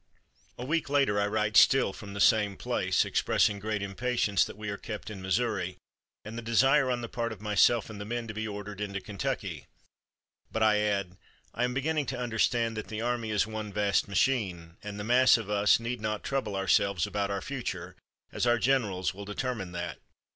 A week later I write still from the same place, expressing great impatience that we are kept in Missouri, and the desire on the part of myself and the men to be ordered into Kentucky, but I add: "I am beginning to understand that the army is one vast machine, and the mass of us need not trouble ourselves about our future, as our generals will determine that.